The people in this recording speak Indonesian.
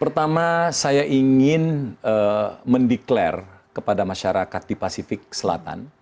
pertama saya ingin mendeklar kepada masyarakat di pasifik selatan